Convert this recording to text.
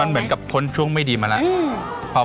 เหมือนกับพ้นช่วงไม่ดีมาแล้ว